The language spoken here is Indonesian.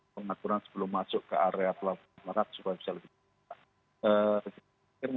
pengaturan sebelum masuk ke area pelabuhan merak supaya bisa lebih cepat